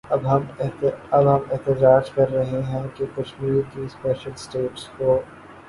اب ہم احتجاج کر رہے ہیں کہ کشمیر کے سپیشل سٹیٹس کو